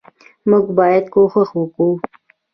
موږ باید کوښښ وکو